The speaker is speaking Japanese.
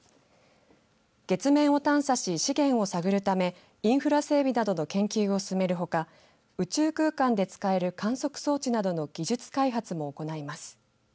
月面を探査し、資源を探るためインフラ整備などの研究を進めるほか宇宙空間で使える観測装置などの技術開発も行います。